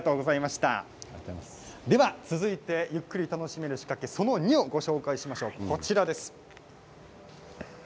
では続いてゆっくり楽しめる仕掛けその２をご紹介していきましょう。